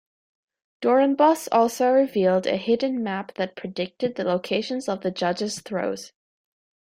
Dorenbos also revealed a hidden map that predicted the locations of the judges' throws.